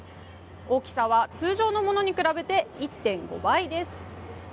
大きさは通常のものに比べて１．５倍です。